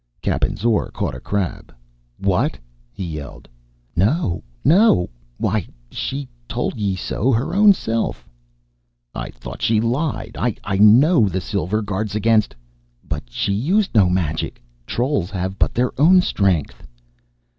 Cappen's oar caught a crab. "What?" he yelled. "No no why, she told ye so her own self " "I thought she lied. I know the silver guards against " "But she used no magic! Trolls have but their own strength!"